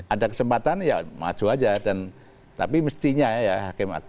ada kesempatan ya maju saja tapi mestinya ya hakematuk